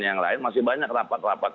yang lain masih banyak rapat rapat